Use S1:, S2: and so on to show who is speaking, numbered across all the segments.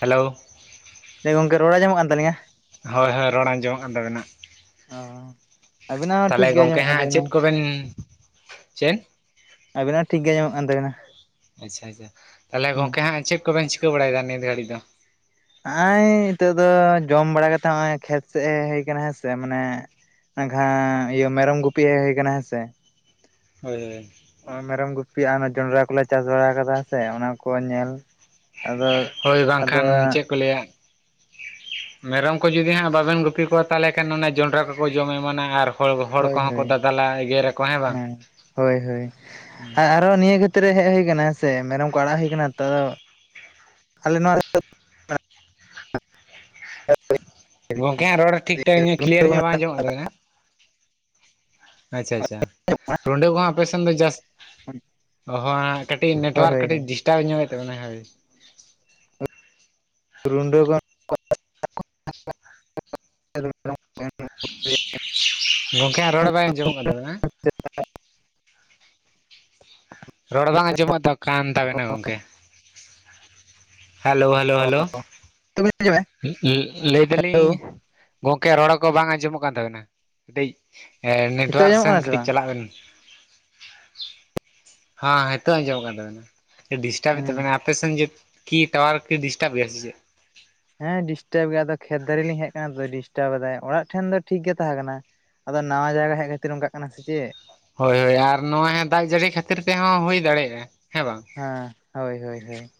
S1: Hello.
S2: [unintelligible] ᱜᱚᱢᱠᱮ ᱨᱚᱲ ᱟᱡᱚᱢᱚᱜ ᱠᱟᱱ ᱛᱟᱞᱤᱹᱧᱟ?
S1: ᱦᱳᱭ ᱦᱳᱭ ᱨᱚᱲ ᱟᱸᱡᱚᱢᱚᱜ ᱠᱟᱱ ᱛᱟᱵᱤᱱᱟ᱾
S2: ᱚᱸ ᱟᱵᱤᱱᱟᱜ ᱦᱚᱸ
S1: ᱛᱟᱦᱚᱞᱮ
S2: ᱴᱷᱤᱠ ᱜᱮᱭᱟ
S1: ᱜᱚᱝᱠᱮ
S2: ᱟᱡᱚᱢᱚᱜ ᱠᱟᱱ
S1: ᱦᱟᱸᱜ
S2: ᱛᱟᱵᱮᱱᱟ᱾
S1: ᱪᱮᱫ ᱠᱚᱵᱮᱱ ᱪᱮᱫ
S2: ᱟᱹᱵᱤᱱᱟᱜ ᱴᱷᱤᱠ ᱜᱮ ᱟᱸᱡᱚᱢᱚᱜ ᱠᱟᱱ ᱛᱟᱵᱤᱱᱟ᱾
S1: ᱟᱪᱪᱷᱟ ᱟᱪᱪᱷᱟ ᱛᱟᱦᱚᱞᱮ ᱜᱚᱝᱠᱮ ᱦᱟᱸᱜ ᱪᱮᱫ ᱠᱚᱵᱮᱱ ᱪᱤᱠᱟᱹ ᱵᱟᱲᱟᱭᱮᱫᱟ ᱱᱤᱛ ᱜᱷᱟᱹᱲᱤᱡ ᱫᱚ?
S2: ᱟᱸᱭᱻ ᱱᱤᱛᱚᱜ ᱫᱚ ᱡᱚᱢ ᱵᱟᱲᱟ ᱠᱟᱛᱮᱫ ᱦᱚᱜᱼᱚᱭ ᱠᱷᱮᱛ ᱥᱮᱫ ᱦᱮᱡ ᱦᱩᱭ ᱠᱟᱱᱟ ᱦᱮᱸ ᱥᱮ, ᱢᱟᱱᱮ ᱟᱸᱜᱷᱟᱸ ᱤᱭᱟᱹ ᱢᱮᱨᱚᱢ ᱜᱩᱯᱤ ᱦᱮᱡ ᱦᱩᱭ ᱠᱟᱱᱟ ᱦᱮᱸ ᱥᱮ ᱾
S1: ᱦᱳᱭ ᱦᱳᱭ ᱾
S2: ᱢᱮᱨᱚᱢ ᱜᱩᱯᱤ ᱟᱨ ᱡᱚᱱᱰᱨᱟ ᱠᱚᱞᱮ ᱪᱟᱥ ᱵᱟᱲᱟ ᱠᱟᱫᱟ ᱥᱮ ᱚᱱᱟ ᱠᱚ ᱧᱮᱞ ᱟᱫᱚ
S1: ᱦᱳᱭ
S2: ᱟᱫᱚ
S1: ᱵᱟᱝᱠᱷᱟᱱ ᱪᱮᱫ ᱠᱚ ᱞᱟᱹᱭᱟ? ᱢᱮᱨᱚᱢ ᱠᱚ ᱡᱩᱫᱤ ᱦᱟᱸᱜ ᱵᱟᱵᱮᱱ ᱜᱩᱯᱤ ᱠᱚᱣᱟ ᱛᱟᱦᱚᱞᱮ ᱠᱷᱟᱱ ᱚᱱᱟ ᱡᱚᱸᱰᱨᱟ ᱠᱚᱠᱚ ᱡᱚᱢ ᱟᱱᱟ, ᱟᱨ ᱦᱚᱲ ᱦᱚᱲ
S2: ᱦᱳᱭ
S1: ᱠᱚᱦᱚᱸ ᱠᱚ
S2: ᱦᱳᱭ
S1: ᱫᱟᱫᱟᱞᱟ ᱮᱜᱮᱨ ᱟᱠᱚ ᱦᱮᱸ ᱵᱟᱝ!
S2: ᱟᱫᱚ ᱱᱤᱭᱟᱹ ᱠᱷᱟᱹᱛᱤᱨ ᱨᱮ ᱦᱮᱡ ᱦᱩᱭ ᱠᱟᱱᱟ ᱥᱮ ᱢᱮᱨᱚᱢ ᱠᱚ ᱟᱲᱟᱜ ᱦᱩᱭ ᱠᱟᱱᱟ ᱛᱚ ᱟᱞᱮ ᱱᱚᱣᱟ
S1: ᱜᱚᱝᱠᱮ ᱦᱟᱜ ᱨᱚᱲ ᱴᱷᱤᱠ ᱴᱷᱟᱠ ᱧᱚᱜ ᱠᱞᱤᱭᱟᱨ ᱧᱚᱜ ᱵᱟᱝ ᱟᱸᱡᱚᱢᱟᱜ ᱠᱟᱱᱟ ᱾ ᱟᱪᱪᱷᱟ ᱟᱪᱪᱷᱟ ᱱᱚᱸᱰᱮ ᱠᱚᱦᱚᱸ ᱟᱯᱮ ᱥᱮᱱ ᱫᱚ ᱡᱟᱹᱥ
S2: [inaudible]
S1: ᱚ ᱦᱟᱜ ᱠᱟᱹᱴᱤᱡ
S2: ᱦᱳᱭ
S1: ᱱᱮᱴᱣᱟᱨᱠ
S2: ᱦᱳᱭ
S1: ᱠᱟᱹᱴᱤᱡ
S2: ᱦᱳᱭ
S1: ᱰᱤᱥᱴᱟᱵᱽ ᱧᱚᱜᱮᱫ ᱛᱟᱵᱚᱱᱟ ᱦᱳᱭ ᱾
S2: ᱨᱩᱸᱰᱟᱹ [inaudible] [inaudible]
S1: ᱜᱚᱝᱠᱮ ᱦᱟᱸᱜ ᱨᱚᱲ ᱵᱟᱝ ᱟᱸᱡᱚᱢᱚᱜ ᱠᱟᱱ ᱛᱟᱵᱤᱱᱟ! ᱨᱚᱲ ᱵᱟᱝ ᱟᱸᱡᱚᱢᱚᱜ ᱛᱚ ᱠᱟᱱ ᱛᱟᱵᱮᱱᱟ ᱜᱚᱝᱠᱮ ᱾ Hello hello hello!
S2: [inaudible]
S1: ᱞᱮ-ᱞᱮᱭ ᱫᱟᱞᱤᱧ
S2: ᱦᱮᱞᱳ
S1: ᱜᱚᱝᱠᱮ ᱨᱚᱲ ᱠᱚ ᱵᱟᱝ ᱟᱸᱡᱚᱢᱚᱜ ᱠᱟᱱ ᱛᱟᱵᱤᱱᱟ! ᱠᱟᱹᱴᱤᱡ ᱮ
S2: ᱱᱤᱛᱚᱜ
S1: ᱱᱮᱴᱚᱣᱟᱨᱠ
S2: ᱟᱸᱡᱚᱢᱚᱜ
S1: ᱥᱮᱱ
S2: ᱠᱟᱱᱟ ᱥᱮ
S1: ᱠᱟᱹᱴᱤᱡ
S2: ᱵᱟᱝ?
S1: ᱪᱟᱞᱟᱜ ᱵᱮᱱ᱾ ᱦᱟᱸ ᱦᱤᱛᱚᱜ ᱟᱸᱡᱚᱢᱚᱜ ᱠᱟᱱ ᱛᱟᱵᱮᱱᱟ ᱰᱤᱥᱴᱟᱵᱮᱫ ᱛᱟᱵᱮᱱᱟ
S2: ᱦᱩᱸ
S1: ᱟᱯᱮᱥᱮᱱ ᱡᱮ ᱠᱤ ᱴᱟᱣᱟᱨᱠᱤ ᱰᱤᱥᱴᱟᱵ ᱜᱮᱭᱟ ᱥᱮ ᱪᱮᱫ?
S2: ᱦᱮᱸ ᱰᱤᱥᱴᱟᱵ ᱜᱮᱭᱟ ᱟᱫᱚ ᱠᱷᱮᱛ ᱫᱟᱨᱮ ᱞᱤᱧ ᱦᱮᱡ ᱠᱟᱱᱟ ᱛᱚ ᱰᱤᱥᱴᱟᱵ ᱮᱫᱟᱭ ᱚᱲᱟᱜ ᱴᱷᱮᱱ ᱫᱚ ᱴᱷᱤᱠ ᱜᱮ ᱛᱟᱦᱮᱸ ᱠᱟᱱᱟ᱾ ᱟᱫᱚ ᱱᱟᱣᱟ ᱡᱟᱭᱜᱟ ᱨᱮ ᱦᱮᱡ ᱠᱷᱟᱹᱛᱤᱨ ᱚᱝᱠᱟᱜ ᱠᱟᱱᱟ ᱥᱮ ᱪᱮᱫ?
S1: ᱦᱳᱭ ᱦᱳᱭ ᱟᱨ ᱱᱚᱣᱟ ᱡᱷᱟᱨᱱᱟ ᱦᱟᱜ ᱫᱟᱜ ᱡᱟᱹᱲᱤ ᱠᱷᱟᱹᱛᱤᱨ ᱛᱮᱦᱚᱸ ᱦᱩᱭ ᱫᱟᱲᱮᱭᱟᱜᱼᱟ ᱦᱮᱸ ᱵᱟᱝ!
S2: ᱦᱮᱸ ᱦᱳᱭ ᱦᱳᱭ ᱦᱳᱭ ᱾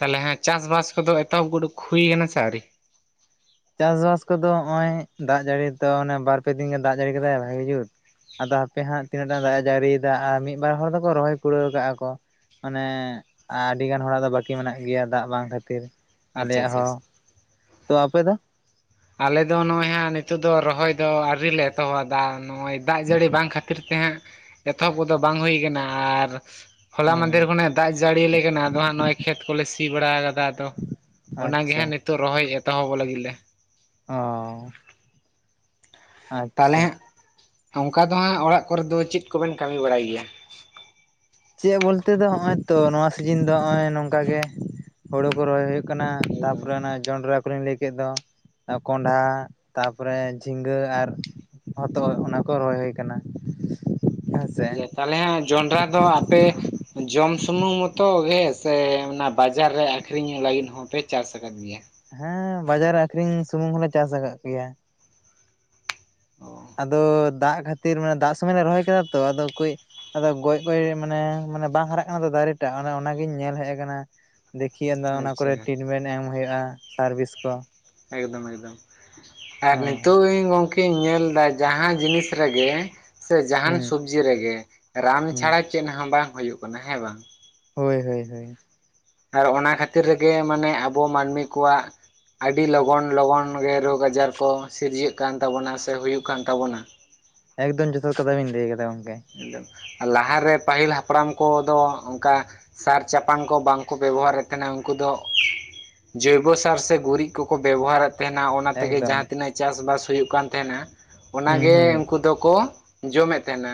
S1: ᱛᱟᱦᱚᱞᱮ ᱦᱟᱸᱜ ᱪᱟᱥᱵᱟᱥ ᱠᱚᱫᱚ ᱮᱛᱚᱦᱚᱵ ᱩᱰᱩᱠ ᱦᱩᱭ ᱠᱟᱱᱟ ᱥᱮ ᱟᱹᱣᱨᱤ?
S2: ᱪᱟᱥᱵᱟᱥ ᱠᱚᱫᱚ ᱦᱚᱜᱼᱚᱭ ᱫᱟᱜ ᱡᱟᱹᱲᱤ ᱛᱚ ᱚᱱᱮ ᱵᱟᱨ ᱯᱮ ᱫᱤᱱ ᱜᱮ ᱫᱟᱜ ᱡᱟᱹᱲᱤ ᱠᱮᱫᱟᱭ ᱵᱷᱟᱜᱤ ᱡᱩᱛ᱾ ᱟᱫᱚ ᱦᱟᱯᱮ ᱦᱟᱸᱜ ᱛᱤᱱᱟᱹᱜ ᱴᱟ ᱫᱟᱜ ᱮ ᱡᱟᱹᱨᱤᱭᱮᱫᱟ ᱟᱨ ᱢᱤᱫ ᱵᱟᱨ ᱦᱚᱲ ᱫᱚᱠᱚ ᱨᱚᱦᱚᱭ ᱠᱩᱲᱟᱹᱣ ᱠᱟᱜᱼᱟ ᱠᱚ᱾ ᱢᱟᱱᱮ ᱟᱰᱤ ᱜᱟᱱ ᱦᱚᱲᱟᱜ ᱫᱚ ᱵᱟᱠᱤ ᱢᱮᱱᱟᱜ ᱜᱮᱭᱟ ᱫᱟᱜ ᱵᱟᱝ ᱠᱷᱟᱹᱛᱤᱨ ᱾
S1: ᱟᱪᱪᱷᱟ
S2: ᱟᱞᱮᱭᱟᱜ
S1: ᱟᱪᱪᱷᱟ ᱟᱪᱪᱷᱟ
S2: ᱦᱚᱸ ᱾ ᱛᱚ ᱟᱯᱮ ᱫᱚ?
S1: ᱟᱞᱮ ᱫᱚ ᱱᱚᱜᱼᱚᱭ ᱦᱟᱹᱜ ᱱᱤᱛᱚᱜ ᱫᱚ ᱨᱚᱦᱚᱭ ᱫᱚ ᱟᱹᱣᱨᱤ ᱞᱮ ᱮᱛᱚᱦᱚᱵᱟ ᱫᱟ ᱱᱚᱜᱼᱚᱭ ᱫᱟᱜ ᱡᱟᱹᱲᱤ ᱵᱟᱝ ᱠᱷᱟᱹᱛᱤᱨ ᱛᱮ ᱦᱟᱸᱜ -ᱼ ᱮᱛᱚᱦᱚᱵ ᱠᱚᱫᱚ ᱵᱟᱝ ᱦᱩᱭ ᱠᱟᱱᱟ ᱾ ᱟᱨ ᱦᱚᱞᱟ
S2: ᱦᱩᱸ
S1: ᱢᱟᱫᱷᱮᱨ ᱠᱷᱚᱱᱟᱜ ᱫᱟᱜ ᱡᱟᱹᱲᱤᱭ ᱟᱞᱮ ᱠᱟᱱᱟ ᱟᱫᱚ ᱦᱟᱸᱜ ᱱᱚᱜᱼᱚᱭ ᱠᱷᱮᱛ ᱠᱚᱞᱮ ᱥᱤ ᱵᱟᱲᱟ ᱟᱠᱟᱫᱟ ᱟᱫᱚ ᱚᱱᱟᱜᱮ
S2: ᱟᱪᱪᱷᱟ
S1: ᱦᱟᱸᱜ ᱱᱤᱛᱚᱜ ᱨᱚᱦᱚᱭ ᱮᱛᱚᱦᱚᱵᱚᱜ ᱞᱟᱹᱜᱤᱫ ᱞᱮ ᱾
S2: ᱚᱸ ᱾
S1: ᱛᱟᱦᱚᱞᱮ ᱦᱟᱸᱜ ᱱᱚᱝᱠᱟ ᱫᱚ ᱦᱟᱸᱜ ᱚᱲᱟᱜ ᱠᱚᱨᱮ ᱫᱚ ᱪᱮᱫ ᱠᱚᱵᱮᱱ ᱠᱟᱹᱢᱤ ᱵᱟᱲᱟᱭ ᱜᱮᱭᱟ?
S2: ᱪᱮᱫ ᱵᱚᱞᱛᱮ ᱫᱚ ᱦᱚᱜᱼᱚᱭ ᱛᱚ ᱱᱚᱣᱟ ᱥᱤᱡᱤᱱ ᱫᱚ ᱦᱚᱜᱼᱚᱭ ᱱᱚᱝᱠᱟ ᱜᱮ ᱦᱳᱲᱳ ᱠᱚ ᱨᱚᱦᱚᱭ ᱦᱩᱭᱩᱜ ᱠᱟᱱᱟ ᱛᱟᱯᱚᱨᱮ
S1: ᱮᱠᱫᱚᱢ
S2: ᱚᱱᱟ ᱡᱚᱱᱰᱨᱟ ᱠᱚᱞᱤᱧ ᱞᱟᱹᱭ ᱠᱮᱫ ᱫᱚ ᱠᱚᱸᱰᱷᱟ ᱛᱟᱨ ᱯᱚᱨᱮ ᱡᱷᱤᱸᱜᱟᱹ ᱟᱨ ᱦᱚᱛᱚᱜ ᱚᱱᱟ ᱠᱚ ᱨᱚᱦᱚᱭ ᱦᱩᱭ ᱠᱟᱱᱟ ᱾
S1: ᱛᱟᱦᱚᱞᱮ ᱦᱟᱸᱜ ᱡᱚᱱᱰᱨᱟ ᱫᱚ ᱟᱯᱮ ᱡᱚᱢ ᱥᱩᱢᱩᱝ ᱢᱚᱛᱚ ᱜᱮ ᱥᱮ ᱚᱱᱟ ᱵᱟᱡᱟᱨ ᱨᱮ ᱟᱠᱷᱨᱤᱧᱚᱜ ᱞᱟᱹᱜᱤᱫ ᱦᱚᱸᱯᱮ ᱪᱟᱥ ᱟᱠᱟᱫ ᱜᱮᱭᱟ?
S2: ᱦᱮᱸ ᱵᱟᱡᱟᱨ ᱨᱮ ᱟᱹᱠᱷᱨᱤᱝ ᱥᱩᱢᱩᱝ ᱦᱚᱸ ᱞᱮ ᱪᱟᱥ ᱟᱠᱟᱜ ᱜᱮᱭᱟ ᱾
S1: ᱚ
S2: ᱟᱫᱚ ᱫᱟᱜ ᱠᱷᱟᱹᱛᱤᱨ ᱢᱟᱱᱮ ᱫᱟᱜ ᱥᱚᱢᱚᱭ ᱞᱮ ᱨᱚᱦᱚᱭ ᱠᱮᱫᱟ ᱛᱚ ᱟᱫᱚ ᱠᱩᱭᱤᱼᱼ ᱟᱫᱚ ᱜᱚᱡ ᱜᱚᱭ ᱢᱟᱱᱮ ᱢᱟᱱᱮ ᱵᱟᱝ ᱦᱟᱨᱟᱜ ᱠᱟᱱᱟ ᱛᱚ ᱫᱟᱨᱮ ᱴᱟᱜ ᱚᱱᱮ ᱚᱱᱟ ᱜᱤᱧ ᱧᱮᱞ ᱦᱮᱜ ᱟᱠᱟᱱᱟ, ᱫᱮᱠᱷᱤ ᱟᱸᱫᱚ ᱚᱱᱟ
S1: ᱟᱪᱪᱷᱟ
S2: ᱠᱚᱨᱮ ᱴᱤᱱᱢᱮᱱ ᱮᱢ ᱦᱩᱭᱩᱜᱼᱟ ᱥᱟᱨᱵᱤᱥ ᱠᱚ᱾
S1: ᱮᱠᱫᱚᱢ ᱮᱠᱫᱚᱢ ᱟᱨ
S2: ᱦᱚᱸ
S1: ᱱᱤᱛᱚᱜ ᱜᱤᱝ ᱜᱚᱝᱠᱮᱼᱼ ᱤᱧ ᱧᱮᱞ ᱮᱫᱟ ᱡᱟᱦᱟᱸ ᱡᱤᱱᱤᱥ ᱨᱮᱜᱮ ᱥᱮ ᱡᱟᱦᱟᱸᱱ
S2: ᱦᱩᱸ
S1: ᱥᱩᱵᱽᱼᱼ ᱡᱤ ᱨᱮᱜᱮ ᱨᱟᱱ
S2: ᱦᱩᱸ
S1: ᱪᱷᱟᱲᱟ ᱪᱮᱫ ᱦᱚᱸ ᱵᱟᱝ ᱦᱩᱭᱩᱜ ᱠᱟᱱᱟ ᱦᱮᱸ ᱵᱟᱝ᱾
S2: ᱦᱳᱭ ᱦᱳᱭ ᱦᱳᱭ᱾
S1: ᱟᱨ ᱚᱱᱟ ᱠᱷᱟᱹᱛᱤᱨ ᱨᱮᱜᱮ ᱢᱟᱱᱮ ᱟᱵᱚ ᱢᱟᱹᱱᱢᱤ ᱠᱚᱣᱟᱜᱼᱼ ᱟᱹᱰᱤ ᱞᱚᱜᱚᱱ ᱞᱚᱜᱚᱱ ᱜᱮ ᱨᱳᱜᱽ ᱟᱡᱟᱨ ᱠᱚ ᱥᱤᱨᱡᱟᱹᱜ ᱠᱟᱱ ᱛᱟᱵᱚᱱᱟ ᱥᱮ ᱦᱩᱭᱩᱜ ᱠᱟᱱ ᱛᱟᱵᱚᱱᱟ ᱾
S2: ᱮᱠᱫᱚᱢ ᱡᱚᱛᱷᱟᱛ ᱠᱟᱛᱷᱟ ᱵᱤᱱ ᱞᱟᱹᱭ ᱟᱠᱟᱫᱟ ᱜᱚᱝ-
S1: ᱮᱫᱚᱢ ᱟᱨ ᱞᱟᱦᱟ ᱨᱮ ᱯᱟᱹᱦᱤᱞ ᱦᱟᱯᱲᱟᱢ ᱠᱚ ᱫᱚ ᱚᱝᱠᱟᱼᱼ ᱥᱟᱨ ᱪᱟᱯᱟᱝ ᱠᱚ ᱵᱟᱝ ᱠᱚ ᱵᱮᱵᱚᱦᱟᱨᱼᱮᱫ ᱛᱟᱦᱮᱸᱱᱟ ᱩᱝᱠᱩ ᱫᱚᱼᱼ ᱡᱳᱭᱵᱚᱥᱟᱨ ᱥᱮ ᱜᱩᱨᱤᱡ ᱠᱚᱠᱚ ᱵᱮᱵᱚᱦᱟᱨᱼᱮᱫ ᱼᱼ ᱛᱮᱦᱮᱸᱱᱟ ᱚᱱᱟ ᱛᱮᱜᱮ
S2: ᱮᱠᱫᱚᱢ
S1: ᱡᱟᱦᱟᱸ ᱛᱤᱱᱟᱹᱜ ᱪᱟᱥ ᱵᱟᱥ ᱦᱩᱭᱩᱜ ᱠᱟᱱ ᱛᱟᱦᱮᱸᱱᱟ
S2: ᱦᱩᱸ
S1: ᱚᱱᱟᱜᱮ
S2: ᱦᱩᱸ
S1: ᱩᱝᱠᱩ ᱫᱚᱠᱚᱼᱼ ᱡᱚᱢᱼᱮᱫ ᱛᱟᱦᱮᱸᱱᱟ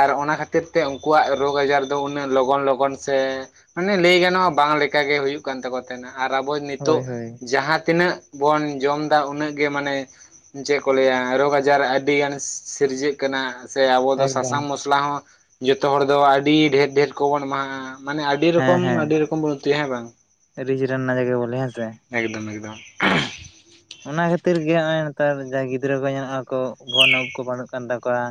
S1: ᱟᱨ ᱚᱱᱟ ᱠᱷᱟᱹᱛᱤᱨ ᱛᱮ ᱩᱝᱠᱩᱣᱟᱜ ᱨᱳᱜᱽ ᱟᱡᱟᱨ ᱫᱚ ᱩᱱᱟᱹᱜ ᱞᱚᱜᱚᱱ ᱞᱚᱜᱚᱱ ᱥᱮᱼᱼ ᱢᱟᱱᱮ ᱞᱟᱹᱭ ᱜᱟᱱᱚᱜᱼᱟ ᱵᱟᱝ ᱞᱮᱠᱟ ᱜᱮ ᱦᱩᱭᱩᱜ ᱠᱟᱱ ᱛᱟᱠᱚ ᱛᱟᱦᱮᱸᱱᱟ ᱟᱨ ᱟᱵᱚ ᱱᱤᱛᱚᱜ
S2: ᱦᱳᱭ ᱦᱳᱭ
S1: ᱡᱟᱦᱟᱸ ᱛᱤᱱᱟᱹᱜᱼᱼ ᱵᱚᱱ ᱡᱚᱢ ᱮᱫᱟ, ᱩᱱᱟᱹᱜ ᱜᱮ ᱢᱟᱱᱮᱼᱼ ᱪᱮᱜ ᱠᱚ ᱞᱟᱹᱭᱼᱟ ᱨᱳᱜᱽ ᱟᱡᱟᱨ ᱟᱹᱰᱤ ᱜᱟᱱ ᱥᱤᱻ ᱥᱤᱨᱡᱟᱹᱜ ᱠᱟᱱᱟ ᱥᱮ ᱟᱵᱚᱼᱼ
S2: ᱮᱠᱫᱚᱢ
S1: ᱥᱟᱥᱟᱝ ᱢᱚᱥᱞᱟ ᱦᱚᱸ ᱡᱚᱛᱚ ᱦᱚᱲ ᱫᱚ ᱟᱹᱰᱤ ᱰᱷᱮᱨ ᱰᱷᱮᱨ ᱠᱚᱵᱚᱱ ᱮᱢᱟ ᱦᱟᱸᱜ ᱼᱟ, ᱼᱼ ᱢᱟᱱᱮ ᱟᱹᱰᱤ ᱨᱚᱠᱚᱢ ᱟᱹᱰᱤ ᱨᱚᱠᱚᱢ ᱵᱚᱱ ᱩᱛᱩᱭᱟ ᱦᱮᱸ ᱵᱟᱝ?
S2: ᱨᱤᱡᱽ ᱨᱮᱱ ᱱᱟᱜᱟ ᱜᱮ ᱵᱚᱞᱮ ᱦᱮᱸᱥᱮ?
S1: ᱮᱠᱫᱚᱢ ᱮᱠᱫᱚᱢ᱾
S2: ᱚᱱᱟ ᱠᱷᱟᱹᱛᱤᱨ ᱜᱮ ᱦᱚᱸᱜᱼᱚᱸᱭ ᱱᱮᱛᱟᱨ ᱡᱟᱦᱟᱸᱭ ᱜᱤᱫᱽᱨᱟᱹ ᱠᱚ ᱧᱮᱱᱚᱜᱼᱟ ᱠᱚ ᱜᱚᱱ ᱩᱵ ᱠᱚ ᱯᱟᱸᱰᱩᱜ ᱠᱟᱱ ᱛᱟᱠᱚᱣᱟ,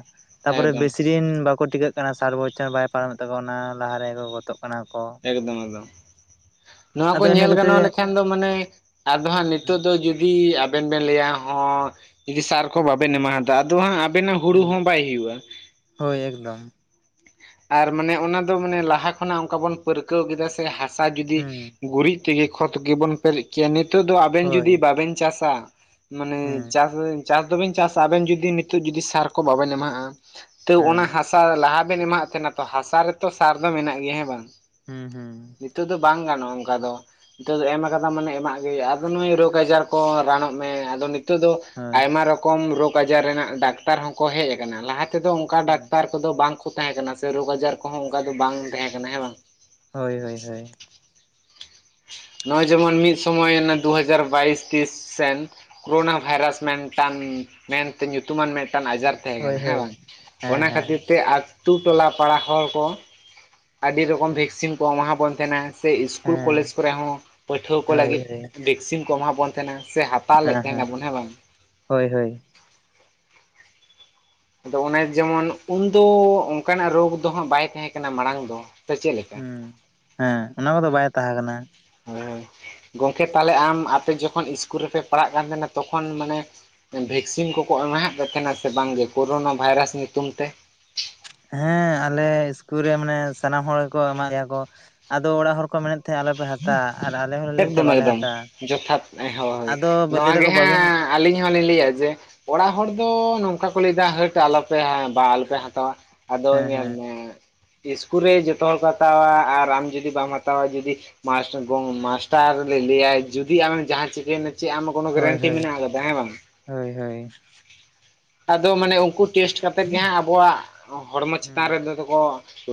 S2: ᱛᱟᱯᱚᱨᱮ
S1: ᱮᱠᱫᱚᱢ
S2: ᱵᱮᱥᱤᱨᱤᱭᱟᱹᱱ ᱵᱟᱠᱼ ᱠᱚ ᱴᱤᱠᱟᱹᱜ ᱠᱟᱱᱟ ᱥᱟᱴ ᱵᱚᱪᱪᱷᱚᱨ ᱦᱚᱸ ᱵᱟᱭ ᱯᱟᱨᱚᱢᱮᱫ ᱛᱟᱠᱚᱣᱟ, ᱚᱱᱟ ᱞᱟᱦᱟ ᱨᱮ ᱠᱚ ᱜᱚᱫᱚᱜ ᱠᱟᱱᱟ ᱠᱚ ᱾
S1: ᱮᱠᱫᱚᱢ ᱮᱠᱫᱚᱢ, ᱱᱚᱣᱟ ᱠᱚ
S2: ᱤᱱᱟᱹ
S1: ᱧᱮᱞ
S2: ᱠᱷᱟᱹᱛᱤᱨ
S1: ᱜᱟᱱᱚᱜ ᱞᱮᱠᱷᱟᱱ ᱫᱚ ᱢᱟᱱᱮᱼᱼ ᱟᱫᱚ ᱦᱟᱸᱜ ᱱᱤᱛᱚᱜ ᱫᱚ ᱡᱩᱫᱤ ᱟᱵᱮᱱ ᱵᱮᱱ ᱞᱟᱹᱭᱼᱟ ᱦᱚᱸᱼᱼ ᱡᱩᱫᱤ ᱥᱟᱨ ᱠᱚ ᱵᱟᱵᱮᱱ ᱮᱢᱟ ᱦᱟᱫᱟᱜᱼᱟ, ᱟᱫᱚ ᱦᱟᱸᱜ ᱟᱵᱮᱱᱟᱜ ᱦᱩᱲᱩ
S2: ᱦᱩᱸ
S1: ᱦᱚᱸ ᱵᱟᱭ ᱦᱩᱭᱩᱜᱼᱟ ᱾
S2: ᱦᱳᱭ ᱮᱠᱫᱚᱢ!
S1: ᱟᱨ ᱢᱟᱱᱮ ᱚᱱᱟ ᱫᱚ ᱢᱟᱱᱮ ᱞᱟᱦᱟ ᱠᱷᱚᱱᱟᱜ ᱚᱝᱠᱟ ᱵᱚᱱ ᱯᱟᱹᱨᱠᱟᱹᱣ ᱠᱮᱫᱟ ᱥᱮ ᱦᱟᱥᱟ ᱡᱩᱫᱤ
S2: ᱦᱩᱸ
S1: ᱜᱩᱨᱤᱡᱽᱼᱼ ᱛᱮᱜᱮ ᱠᱷᱚᱫ ᱜᱮᱵᱚᱱ ᱯᱮᱨᱮᱡᱽ ᱠᱮᱭᱟ, ᱱᱮᱛᱚᱜ ᱫᱚ ᱟᱵᱮᱱ
S2: ᱦᱳᱭ
S1: ᱡᱩᱫᱤ ᱵᱟᱵᱮᱱ ᱪᱟᱥᱼᱟᱼᱼ ᱢᱟᱱᱮ
S2: ᱦᱩᱸ
S1: ᱪᱟᱥ ᱟᱹᱧ ᱪᱟᱥ ᱫᱩᱵᱤᱱ ᱪᱟᱥᱼᱟ, ᱟᱵᱮᱱ ᱡᱩᱫᱤ ᱱᱤᱛᱚᱜ ᱡᱩᱫᱤ ᱥᱟᱨ ᱠᱚ ᱵᱟᱵᱮᱱ ᱮᱢᱟ ᱦᱟᱸᱜᱼᱟᱼᱼ ᱛᱟᱹᱣ ᱚᱱᱟ
S2: ᱦᱮᱸ
S1: ᱦᱟᱥᱟ ᱞᱟᱦᱟ ᱨᱮ ᱞᱟᱦᱟ ᱮᱱ ᱮᱢᱟ ᱦᱟᱸᱜ ᱛᱟᱦᱮᱸᱱᱟ, ᱛᱚ ᱦᱟᱥᱟ ᱨᱮᱛᱚ ᱥᱟᱨ ᱫᱚ ᱢᱮᱱᱟᱜ ᱜᱮᱭᱟ ᱦᱮᱸ ᱵᱟᱝ?
S2: ᱦᱩᱸ ᱦᱩᱸ᱾
S1: ᱱᱤᱛᱚᱜ ᱫᱚ ᱵᱟᱝ ᱜᱟᱱᱚᱜ-ᱟ ᱚᱝᱠᱟ ᱫᱚ᱾ ᱱᱤᱛᱚᱜ ᱫᱚ ᱮᱢ ᱟᱠᱟᱫᱟᱢ ᱢᱟᱱᱮ ᱮᱢᱟᱜ ᱜᱮ ᱦᱩᱭᱩᱜ-ᱟ, ᱟᱫᱚ ᱱᱩᱭ ᱨᱳᱜᱽ ᱟᱡᱟᱨ ᱠᱚ ᱨᱟᱱᱚᱜ ᱢᱮ ᱟᱫᱚ ᱱᱤᱛ ᱛᱚᱜ ᱫᱚ
S2: ᱦᱳᱭ
S1: ᱟᱭᱢᱟ ᱨᱚᱠᱚᱢ ᱨᱳᱜᱽ ᱟᱡᱟᱨ ᱨᱮᱱᱟᱜ ᱰᱟᱠᱛᱟᱨ ᱦᱚᱸᱠᱚ ᱦᱮᱡ ᱟᱠᱟᱱᱟ ᱞᱟᱦᱟ ᱛᱮᱫᱚ ᱚᱝᱠᱟ
S2: ᱦᱩᱸ
S1: ᱰᱟᱠᱛᱟᱨ ᱠᱚᱫᱚ ᱵᱟᱝ ᱠᱚ ᱛᱟᱦᱮᱸ ᱠᱟᱱᱟ ᱥᱮ ᱨᱳᱜᱽ ᱟᱡᱟᱨ ᱠᱚᱦᱚᱸ ᱚᱝᱠᱟ ᱫᱚ ᱵᱟᱝ ᱛᱮᱦᱮᱸ ᱠᱟᱱᱟ ᱦᱮᱸ ᱵᱟᱝ?
S2: ᱦᱳᱭ ᱦᱳᱭ ᱦᱳᱭ᱾
S1: ᱱᱚᱜ-ᱚᱸᱭ ᱡᱮᱢᱚᱱ ᱢᱤᱫ ᱥᱚᱢᱚᱭ ᱚᱱᱮ ᱫᱩ ᱦᱟᱡᱟᱨ ᱵᱟᱹᱭᱤᱥ ᱛᱤᱥ ᱥᱮᱱ ᱠᱳᱨᱳᱱᱟ ᱵᱷᱟᱭᱨᱟᱥ ᱢᱮᱱ ᱴᱟᱱ ᱢᱮᱱ ᱛᱮ ᱧᱩᱛᱩᱢᱟᱱ ᱢᱮᱫ ᱴᱟᱝ ᱟᱡᱟᱨ ᱛᱟᱦᱮᱸ
S2: ᱦᱳᱭ
S1: ᱠᱟᱱᱟ ᱦᱮᱸ
S2: ᱦᱳᱭ
S1: ᱵᱟᱝ,
S2: ᱦᱮᱸ
S1: ᱚᱱᱟ
S2: ᱦᱮᱸ
S1: ᱠᱷᱟᱹᱛᱤᱨ ᱛᱮ ᱟᱹᱛᱩ ᱴᱚᱞᱟ ᱯᱟᱲᱟ ᱦᱚᱲ ᱠᱚ ᱟᱹᱰᱤ ᱨᱚᱠᱚᱢ ᱵᱷᱮᱠ ᱥᱤᱱ ᱠᱚ ᱮᱢᱟ ᱵᱚᱱ ᱛᱟᱦᱮᱸᱱᱟ, ᱥᱮ ᱤᱥᱠᱩᱞ ᱠᱚᱞᱮᱡᱽ
S2: ᱦᱮᱸ
S1: ᱠᱚᱨᱮ ᱦᱚᱸ ᱯᱟᱹᱴᱷᱩᱣᱟᱹ ᱠᱚ
S2: ᱦᱳᱭ
S1: ᱞᱟᱹᱜᱤᱫ
S2: ᱦᱳᱭ
S1: ᱵᱷᱮᱠᱥᱤᱱ ᱠᱚ ᱮᱢᱟ ᱵᱚᱱ ᱠᱟᱱᱟ ᱥᱮ ᱦᱟᱛᱟᱣ ᱞᱮᱜ ᱛᱮᱦᱮᱱᱟ ᱵᱳᱱ ᱦᱮᱸ ᱵᱟᱝ?
S2: ᱦᱳᱭ ᱦᱳᱭ᱾
S1: ᱟᱫᱚ ᱚᱱᱮ ᱡᱮᱢᱚᱱ ᱩᱱᱫᱚ ᱚᱱᱠᱟᱱᱟᱜ ᱨᱳᱜᱽ ᱫᱚ ᱦᱟᱸᱜ ᱵᱟᱭ ᱛᱟᱦᱮᱸ ᱠᱟᱱᱟ ᱢᱟᱲᱟᱝ ᱫᱚ᱾ ᱥᱮ ᱪᱮᱫ ᱞᱮᱠᱟ
S2: ᱦᱩᱸ ᱦᱮᱸ ᱚᱱᱟ ᱠᱚᱫᱚ ᱵᱟᱭ ᱛᱟᱦᱮᱸ ᱠᱟᱱᱟ᱾
S1: ᱦᱮᱸ ᱜᱚᱝᱠᱮ ᱛᱟᱦᱞᱮ ᱟᱢ ᱟᱯᱮ ᱡᱚᱠᱷᱚᱱ ᱤᱥᱠᱩᱞ ᱨᱮᱯᱮ ᱯᱟᱲᱦᱟᱜ ᱠᱟᱱ ᱛᱟᱦᱮᱱᱟ ᱛᱚᱠᱷᱚᱱ ᱢᱟᱱᱮ ᱵᱷᱮᱠᱥᱤᱱ ᱠᱚᱠᱚ ᱮᱢᱟ ᱦᱟᱫ ᱯᱮᱛᱷᱮᱱᱟ ᱥᱮ ᱵᱟᱝ ᱜᱮ ᱠᱳᱨᱳᱱᱟ ᱵᱷᱟᱭᱨᱟᱥ ᱧᱩᱛᱩᱢ ᱛᱮ?
S2: ᱦᱮᱸ ᱟᱞᱮ ᱤᱥᱠᱩᱞ ᱨᱮ ᱢᱟᱱᱮ ᱥᱟᱱᱟᱢ ᱦᱚᱲ ᱜᱮᱠᱚ ᱮᱢᱟᱜ ᱞᱮᱭᱟ ᱠᱚ ᱟᱫᱚ ᱚᱲᱟᱜ ᱦᱚᱲ ᱠᱚ ᱢᱮᱱᱮᱫ ᱛᱟᱦᱮᱜ ᱟᱞᱚᱯᱮ ᱦᱟᱛᱟᱣᱟ ᱟᱨ ᱟᱞᱮ ᱦᱚᱸ ᱞᱮ ᱞᱟᱹᱭᱮᱜ ᱛᱮᱦᱮᱜ
S1: ᱮᱠᱫᱚᱢ
S2: ᱵᱟᱞᱮ
S1: ᱮᱠᱫᱚᱢ
S2: ᱦᱟᱛᱟᱣᱟ
S1: ᱡᱚᱛᱷᱟᱛ ᱦᱳᱭ
S2: ᱟᱫᱚ ᱞᱟᱹᱭ
S1: ᱱᱚᱣᱟ ᱜᱮ
S2: ᱫᱟᱠᱚ ᱵᱟᱵᱤᱱ
S1: ᱦᱟᱸᱜ ᱟᱹᱞᱤᱧ ᱦᱚᱞᱤᱧ ᱞᱟᱹᱭᱟ ᱡᱮ ᱚᱲᱟᱜ ᱦᱚᱲ ᱫᱚ ᱱᱚᱝᱠᱟ ᱠᱚ ᱞᱟᱹᱭᱫᱟ ᱦᱟᱹᱴ ᱟᱞᱚᱯᱮ ᱵᱟ ᱟᱞᱚᱯᱮ ᱦᱟᱛᱟᱣᱟ᱾ ᱟᱫᱚ
S2: ᱦᱮᱸ
S1: ᱧᱮᱞ
S2: ᱦᱮᱸ
S1: ᱢᱮ ᱤᱥᱠᱩᱞ ᱨᱮ ᱡᱚᱛᱚ ᱦᱚᱲ ᱠᱚ ᱦᱟᱛᱟᱣᱟ ᱟᱨ ᱟᱢ ᱡᱩᱫᱤ ᱵᱟᱢ ᱦᱟᱛᱟᱣᱟ ᱡᱩᱫᱤ ᱢᱟᱥᱴᱟᱨ ᱜᱚᱸᱻ ᱢᱟᱥᱴᱟᱨ ᱞᱮ ᱞᱟᱹᱭᱟᱭ ᱡᱩᱫᱤ ᱟᱢᱮᱢ ᱡᱟᱦᱟᱸ ᱪᱤᱠᱟᱹᱭᱱᱟ ᱪᱮᱜ ᱟᱢ ᱠᱳᱱᱳ
S2: ᱦᱳᱭ
S1: ᱜᱮᱨᱮᱱᱴᱤ
S2: ᱦᱳᱭ
S1: ᱢᱮᱱᱟᱜ ᱠᱟᱫᱟ ᱦᱮᱸ ᱵᱟᱝ?
S2: ᱦᱳᱭ ᱦᱳᱭ
S1: ᱟᱫᱚ ᱢᱟᱱᱮ ᱩᱱᱠᱩ ᱴᱮᱥᱴ ᱠᱟᱛᱮᱜ ᱜᱮ ᱦᱟᱸᱜ ᱟᱵᱚᱣᱟᱜ ᱦᱚᱲᱢᱚ
S2: ᱦᱩᱸ
S1: ᱪᱮᱛᱟᱱ ᱨᱮᱫᱚ ᱠᱚ